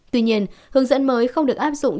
tuy nhiên hướng dẫn mới không được áp dụng